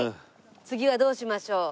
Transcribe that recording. どうしましょう？